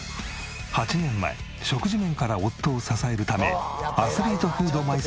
８年前食事面から夫を支えるためアスリートフードマイスターの資格を取得。